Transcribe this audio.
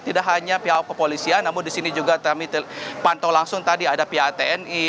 tidak hanya pihak kepolisian namun di sini juga kami pantau langsung tadi ada pihak tni